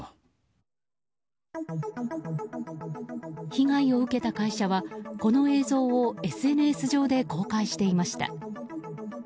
被害を受けた会社はこの映像をＳＮＳ上で公開していました。